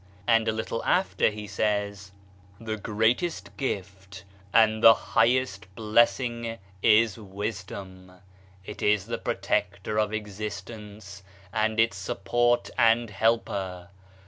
And a little after he says :" The greatest gift and the highest bless ing, is Wisdom. It is the protector of Existence, and its support and helper.